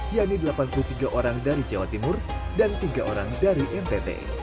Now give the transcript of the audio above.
yakni delapan puluh tiga orang dari jawa timur dan tiga orang dari ntt